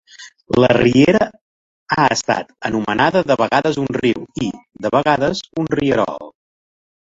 La riera ha estat anomenada de vegades un riu i, de vegades, un rierol.